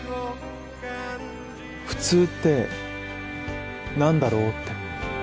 「普通ってなんだろう」って。